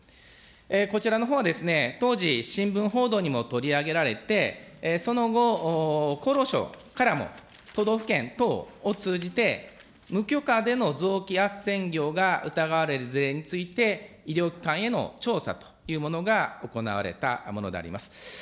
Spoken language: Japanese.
こちらのほうは、当時、新聞報道にも取り上げられて、その後、厚労省からも都道府県等を通じて、無許可での臓器あっせん業が疑われる事例について、医療機関への調査というものが行われたものであります。